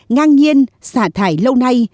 ngang nhiên xả thải lâu nay